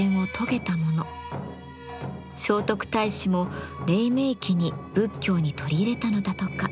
聖徳太子も黎明期に仏教に取り入れたのだとか。